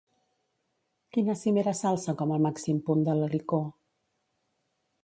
Quina cimera s'alça com el màxim punt de l'Helicó?